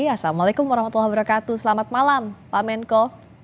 assalamualaikum wr wb selamat malam pak menko